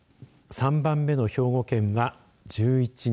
３番目の兵庫県は１１人。